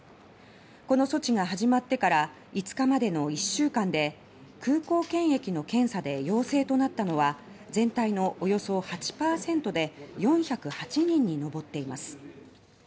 この措置が始まってから５日までの１週間で空港検疫の検査で陽性となったのは全体のおよそ８％で４０８人に上っています。